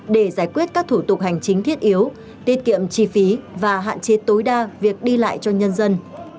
để giải quyết các thủ tục hành chính thiết yếu tiết kiệm chi phí và hạn chế tối đa việc đi lại cho nhân dân